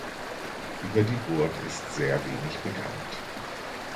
Über die Burg ist sehr wenig bekannt.